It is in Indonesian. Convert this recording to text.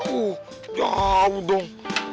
uh jauh dong